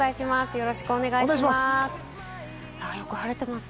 よろしくお願いします。